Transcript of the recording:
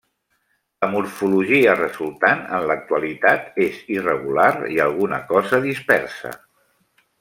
La morfologia resultant en l'actualitat és irregular i alguna cosa dispersa.